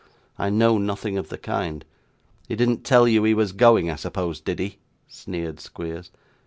'I know nothing of the kind.' 'He didn't tell you he was going, I suppose, did he?' sneered Squeers.